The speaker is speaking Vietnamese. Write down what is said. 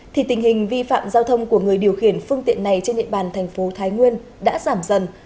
thì tình hình vi phạm giao thông của người điều khiển phương tiện này trên địa bàn thành phố thái nguyên đã giảm dần